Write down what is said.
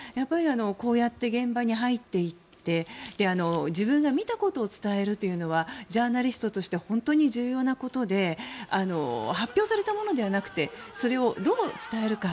こうやって現場に入っていって自分が見たことを伝えるというのはジャーナリストとして本当に重要なことで発表されたものではなくてそれをどう伝えるか。